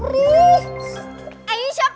warna dimatiin sih